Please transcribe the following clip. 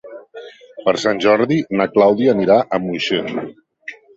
Per Sant Jordi na Clàudia anirà a Moixent.